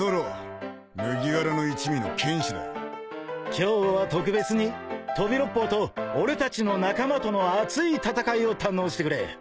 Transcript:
今日は特別に飛び六胞と俺たちの仲間との熱い戦いを堪能してくれ。